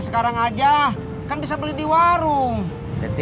sayang kalau dibuangnya